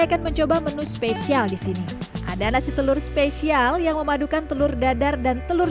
akan mencoba menu spesial di sini ada nasi telur spesial yang memadukan telur dadar dan telur